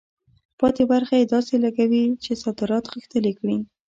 پاتې برخه یې داسې لګوي چې صادرات غښتلي کړي.